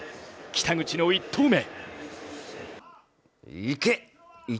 北口の１投目。